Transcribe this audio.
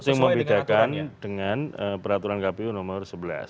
itu yang membedakan dengan peraturan kpu nomor sebelas